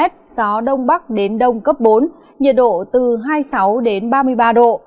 gió đông bắc đến đông cấp bốn nhiệt độ từ hai mươi sáu đến ba mươi ba độ